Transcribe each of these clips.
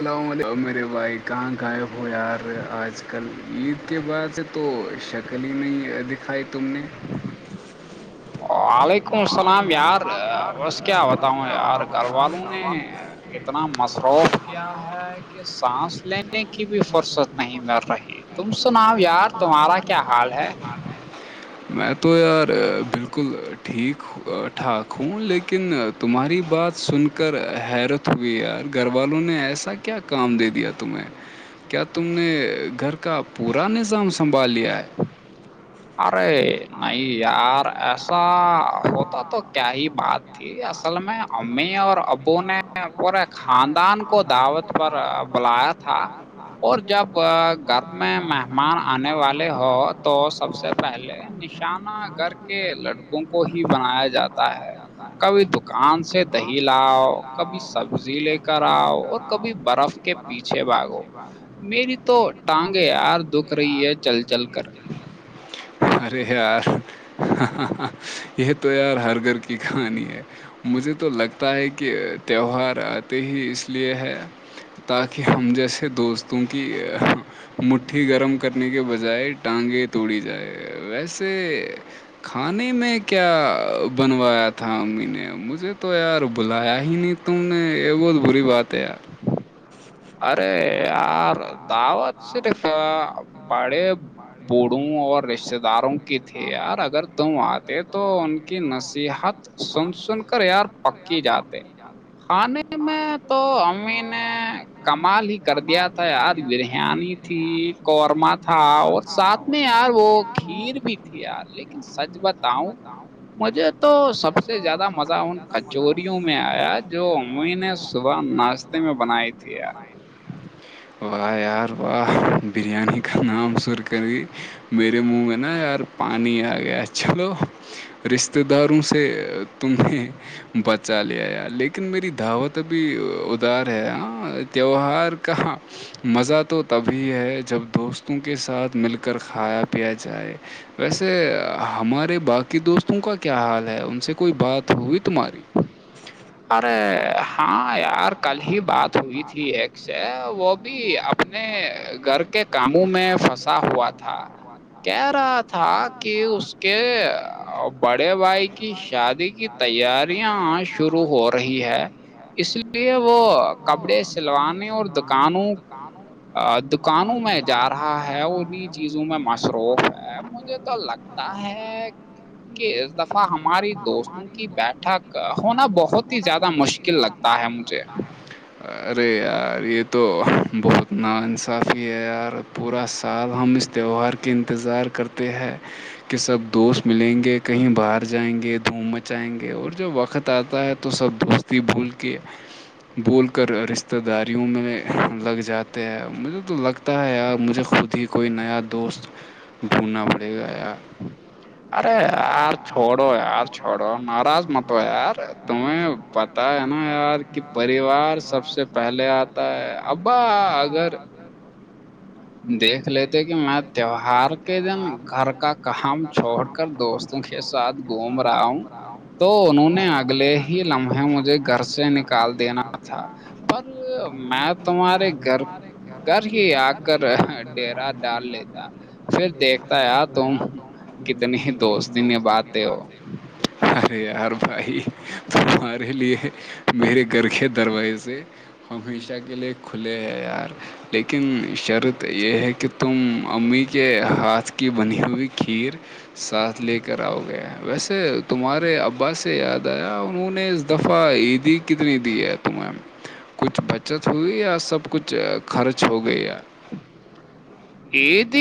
اللام علیکم مرے بھائی کہاں غائب ہو یار آج کل عید کے بعد اسے تو شکل ہی نہیں دکھائی تم نے وعلیکم السلام یار بس کیا بتاؤں یار گھر والوں نے اتنا مصروف کیا ہے کہ سانس لینے کی بھی فر نہیں مر رہی تم سناؤ یار تمہارا کیا حال ہے م تو یار بالکل ٹھیک [unintelligible] ٹھاک ہوں لیکن تمہاری بات سن کر حیرت ہوئے یار گھر والوں نے ایسا کیا کام دے دیا تمہیں کیا تم نے گھر کا پورا نظام سنبھال لیا ہے ارے نہیں یار ایسا ہوتا تو کیا ہی بات ت اصل میں امی اور ابو نے پور [unintelligible] خاندان کو دعوت پر بلایا تھا اور جب گھر میں مہمان آنے والے ہ تو سب سے پہلے نشانہ گھر کے لڑکوں کو ہی بنایا جاتا ہے تا ہے کبھی کبھی دکان سے تم نام دہی سے لاؤ کبھی کلاؤ سبزی ت کر لے کر اور آؤ کبھی برف کے ک [inaudible] م بھاگو پیچھے میری تو بھر ٹانگیں یار دکھ رہی ہے تو دو چل چل رہ کر ہے [inaudible] ارے یار یہ تو یار ہر گھر کی کہانی ہے مجھے تو لگتا ہے کہ تہوار آتے ہی اس لیے ہے تاکہ ہم جیسے دوستوں کی مٹھی گرم کرنے کے بجائے ٹانگیں توڑی جائے ویسے کھانے میں کیا بنوایا تھا تھا امی نے مجھے تو یار بلایا ہی نہیں تم نے یہ بہت بری بات ہے یار ارے یار دعوت سے د بڑے بوھو اور رشتتے داروں کی تھی یار اگر تم آتے تو ان کی نصیحت سن سن کر یار پکی جاتے کھانے میں تو امی نے کمال ہی کر دیا تھا یاج بریانی تھی قورمہ تھا اور ساتھ میں یار وہ کھیر بھی تھی یار لیکن سچ بتاؤں مجھے تو سب سے سب سے زیادہ مزہ ان کچوریوں میں آیا جو ا نے صبح ناشتے میں بنائی تھی ت [unintelligible] واہ یار واہ بریانی کا نام سر کری میرے منہ میں نا یار پانی آ گیا چلو رشتے داروں سے سے تم نے [unintelligible] بچا لیا یار لیکن میری دعوتبھی ادار ہے ہاں تیوہار کہاں مزہ تو تبھی ہے جب دوستوں کے ساتھ مل کر کھایا پیا جائے ویسے ہمارے باقی دوستوں کا کیا حال ہے ان سے کوئی بات ہوئی تمہاری ارے ہاں یار کل ہی بات ہوئی تھی ایک سے وہ بھی اپنے گھر کے کاموں میں پھنسا ہوا تھا کہہ رہا تھا [unintelligible] کہ اس کے بڑے بھائی کی شادی کی تیاری شروع ہو رہی ہے اس لیے وہ کپڑے سلوانے اور دکانوں دکانوں میں جا رہا ہے انی چیزوں میں مصروف ہے مجھے تو لگتا ہے کہ اس دفعہ ہماری دوستوں کی بیٹھ ہونا بہت ہی زیادہ مشکل لگتا ہے مجھے [unintelligible] [inaudible] ارے یار یہ تو بہت نا انصافی ہے یار پورا سال ہم اس تہوہار کے انتظار کرتے ہیں کہ سب دوست ملیں گے کہیں باہر جائیں گے دھوم مچائیں گے اور جب وقت آتا ہے تو تو سب دوستی بول کے بول کر رشتہ داریوں میں لگ جاتے ہیں مجھے تو لگتا پتا ہے یار مجھے خود ہی کوئی نیا دوست ڈھونڈنا پڑے گا یار ارے یار چھوڑو یار چھوڑو ناراض مت یار تمیں ہوتا ہے نا یار کہ پریوار سب سے پہلے آتا ہے ابا اگر دیکھ لیتے کہ میں تہوار کے دن گھر کا کام چھوڑ کر دوست کے ساتھ گھوم رہا ہوں تو انہوں نے اگلے ہی لمحے مجھے گھر سے نک کال دینا تھا پر میں تمہارے گھر گھر ہی آ کر کر دا ڈیرا ڈال لیتا جان پھر یار تم دیکھتا تو کتنی طریح دوستی دوست نے [inaudible] نبھاتے ہو بات ارے یار بھائی تمہارے لیے میرے گھر ک دروزے ہمیشہ کے لیے کھلے ہیں یار لیکن شرط یہ ہے کہ تم امی کے ہاتھ کی بنی ہوئی کھیر ساتھ لے کر آؤ گے ویسے تمہارے ابا سے یاد آیا انہوں نے دفعہ عیدی کتنی دی ہے تمہیں کچھ بچت ہوئی یا سب کچھ خرچ ہو گئی ہے ا د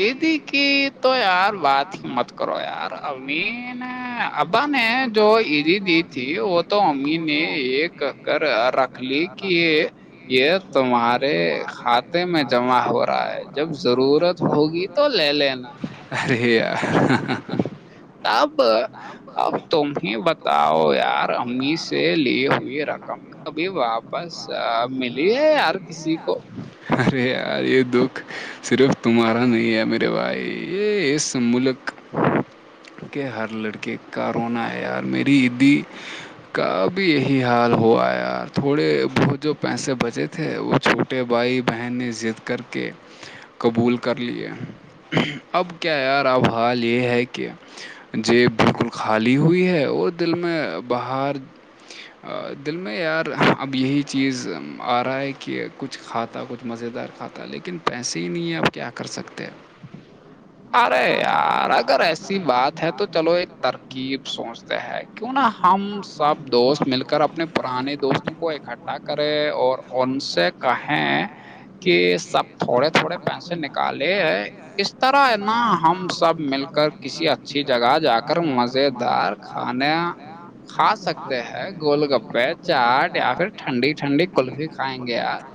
ایدی کی تو یار بات ہی مت کرو یار ام نے ابا نے جو عیدی دی تھی وہ تو اممی نے ایک کر رکھ لی کہ یہ یہ تمہارے کھاتے جمع ہو رہا ہے جب ضرورت ہوگی تو لے لینا ارے یار آپ اب تمیں بتاؤ یار امی سے لی ہوئی رقم کبھی واپس ملی ہے یار کسی کو ارے یار یہ دکھ صرف تمہارا نہیں ہے میرے بھائی یہ اس ملک کہ ہر لڑکے کا رونا ہے یار میری عیدی کا بھی یہی حال ہو آیا تھوڑے بہت جو پیسے بچے تھے وہ چھوٹ چھوٹے بھائی بہن نے ضد کر کے قبول کر لیے اب کیا یار اب حال یہ ہے کہ جیب بالکل خالی ہوئی ہے وہ دل میں باہر دل میں یار اب یہی چیز آ رہا ہے کہ کچھ کھاتا کچھ مزے دار کھاتا لیکن پیسے ہی نہیں ہیں آب کیا کر سکتے ارے یار اگر ایسی بات ہے تو چلو ایک ترکیب سوچتے ہیں کیوں نہا ہم سب دوست مل کر اپنے پرانے دوستوں کو اکٹھا کرے اور ان سے کہیں کہ سب تھوڑے تھوڑے پیسے نکالے اس طرح ن ہم سب مل کر کسی اچھی جگہ جا کر مزیدار کھانا کھا سکتے ہیں گول گپے چاٹ یا پھر ٹھنڈی ٹھنڈی کلفی کھائیں گے یار [inaudible]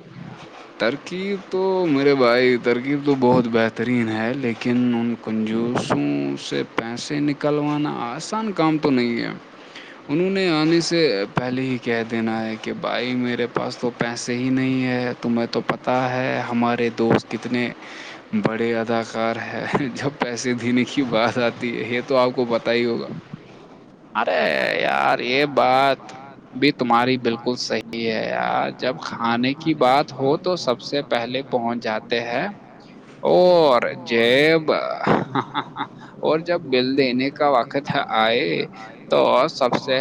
ترکیب تو میرے بھائی ترکیب تو بہت بہترین ہے لیکن ان کنجوسوں سے پیسے نکلوانا آسان کام تو نہیں ہے انہوں نے آنے سے پہلے ہی کہہ دینا ہے کہ بھائی میرے پاس تو پیسے ہی نہیں ہے تمہیں تو پت ہے ہمارے دوست کتنے بڑے اداکار ہے جب پیسے دینے کی بات آتی ہے یہ تو آپ کو پتا تائی ہوگا ارے یار یہ بات بھی تمہاری بالکل صحی ہے یار جب کھانے کی بات ہو تو سب سے پہلے پہنچ جاتے ہیں اور جیب اور جب بل دینے کا وقت آئے تو سب سے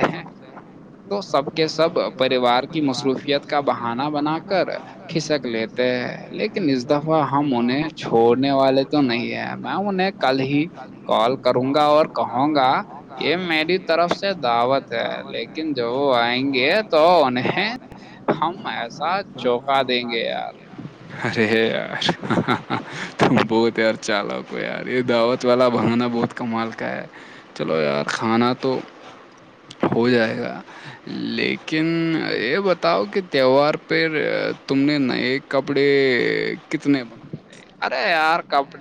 تو سب کے سب پریوار کی مصروفیت کا بہانا بنا کر کھسک لیتے لیکن اس دفعہ ہم انہیں چھوڑنے والے تو نہیں ہیں میں انہیں کل ہی کال کروں گا اور کہوں گا یہ میری طرف سے دعوت ہے لیکن جو آئیں گے تو انہیں ہم ایسا چوکا دیں گے یار ارے یار تم بہت یار چالک ہو یار یہ دعوت والا بہانا بہت کمال کا ہے چلو یار کھانا تو ہو جائے گا لیکن یہ بتاؤ کہ تہوار پہ تم نے نئے کپڑے کتنے بند ارے یار کبڑ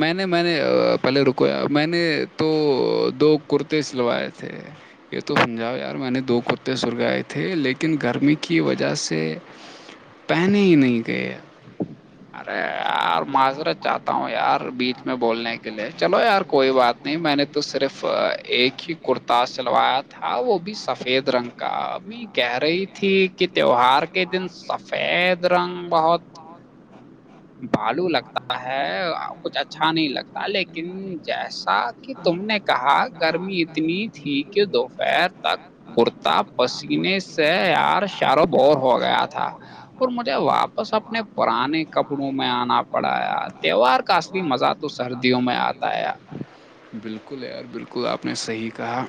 میں نے میں نے پہلے رکویا میں نے تو دو کرتے سلوائے تھے یہ تو سمجھاؤ یار میں نے دو کتے سرگائے تھے لیکن گرمی کی وجہ سے پہنے ہی نہیں گئے ارے یار معذرت چاہتا ہوں یار بیچ میں بولنے کے لیے چلو یار کوئی بات نہیں میں نے تو صرف ایک ہی کرتا سلوایا تھا وہ بھی سفید رنگ کا اب کہہ رہی تھی کہ تیوار کے دن سفید رنگ بہت بالو لگتا ہے کچھ اچھا نہیں لگتا لیکن جیسا کہ تم نے کہا گرمی اتنی تھی کہ دوپہر تک کورتا پسینے سے ار چاروں بور ہو گیا تھا اور مجھے واپس اپنے پرانے کپڑوں میں آنا پڑا ہے تہوار کا اصلی مزہ تو سردیوں میں آتا ہے بالکل یار بالکل آپ نے صحیح کہا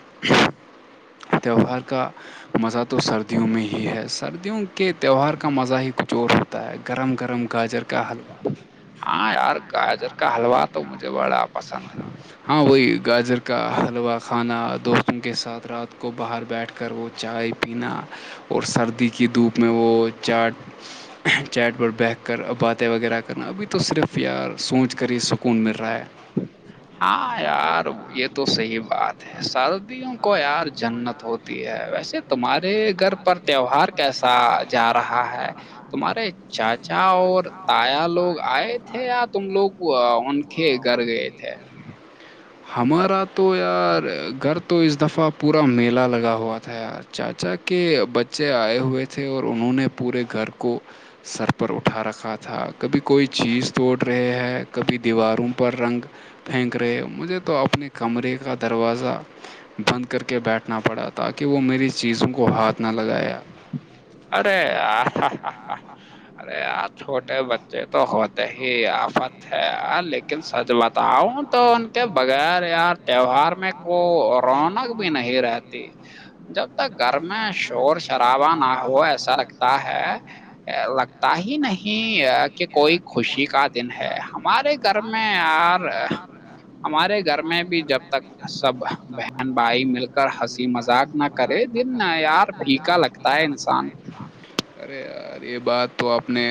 تہوار کا مزہ تو سردیوں میں ہی ہے سردیوں کے تہوار کا مزہ ہی کچھ اور ہوتا ہے گرم گرم گاجر کا حلوہ ہاں یار گاجر کا حلوا تو مجھے بڑا پسند ہے ہاں وہی گاجر کا حلوہ کھانا دوستوں کے ساتھ رات کو باہر بیٹھ کر کر وہ چائے پینا اور سردی کی دھوپ میں وہ چاٹ چیٹ پر بیٹھ کر اب باتیں وغیرہ کرنا ابھی تو صرف پ یار سوچ کر ہی سکون مل رہا ہے ہاں یار یہ تو صحی بات ہے سدیوں کو یار جنت ہوتی ہے ویسے تمہارے گھر پر تیوہار کیسا جا رہا ہے تمہارے چاچا اور تایا لوگ آئے تھے یا تم لوگ تھے گھر گئے تھے [unintelligible] ہمارا تو یار گھر تو اس دفعہ پورا میلہ لگا ہوا تھا یار چاچا کے بچے آئے ہوئے تھے اور انہوں نے پورے گھر کو سر پر اٹھا رکھا تھا کبھی کوئی چیز توڑ رہے ہے کبھی دیواروں پر رنگ پھینک رہے ہو مجھے تو اپنے کمرے کا دروازہ بند کر کے بیٹھنا پڑا تاکہ وہ میری چیزوں کو ہاتھ نہ لگایا ارے یار ارے ار چھوٹے بچے تو ہوتے ہی آفت ہے لیکن لیکن سچ بتاؤں تو ان کے بغیر یار تہوار میں کو رونق بھی نہیں رہتی جب تک گھر میں شور سے ا نہ ہو ایسا لگتا ہے لگتا ہی نہیں کہ کوئی خوشی کا دن ہے ہمارے گھر میں یار ہمارے گھر میں بھی جب تک سب بہن بھائی مل کر ہنسی مذاق نہ کرے دن ار پھیکا لگتا ہے لگتا انسان ہے ارے یار یہ بات تو آپ نے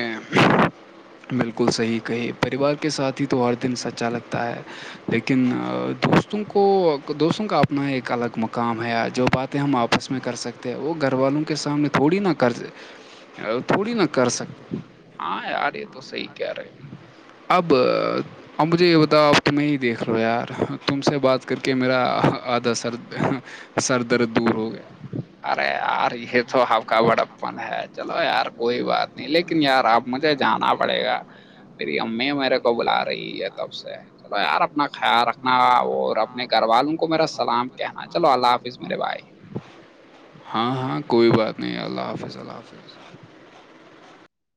بالکل صحیح کہی پریوار کے ساتھ ہی تو ہر دن سچا لگتا ہے لیکن دوستوں کو دوستوں کا اپنا ایک الگ مقام ہے جو بات ہم آپس میں کر سکتے ہیں وہ گھر والوں کے سامنے تھوڑی نہا کر تھوڑی نہ کر سکتے ہاں آارے تو صحی کہہ رہے اب اب مجھے یہ بتاؤ آپ تمہیں ہی دیکھ رہو ہو یار تم سے بات کر کے میرا آدھا سر سر درد دور ہو گیا ارے یار یہ تو آپ کا بڑاپن ہے چلو یار کوئی بات نہیں لیکن یار اب مجھے جانا پڑے گا میری امی میرے کو بلا رہی ہے تب سے چلو یار اپنا خیال رکھنا اور اپنے گھر والوں کو میرا سلام کہنا چلو اللہ حافظ میرے بھائے ہاں ہاں کوئی بات نہیں اللہ حافظ اللہ حافظ